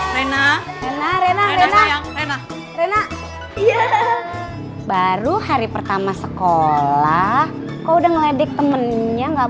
rena rena rena rena rena rena iya baru hari pertama sekolah kau udah ngeledek temennya nggak